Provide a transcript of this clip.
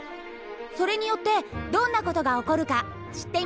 それによってどんなことが起こるか知っていますか？